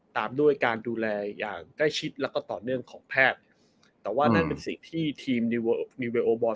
ตามด้วยการดูแลอย่างใกล้ชิดแล้วก็ต่อเนื่องของแพทย์แต่ว่านั่นเป็นสิ่งที่ทีมเวโอบอล